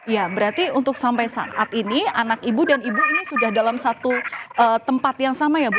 ya berarti untuk sampai saat ini anak ibu dan ibu ini sudah dalam satu tempat yang sama ya bu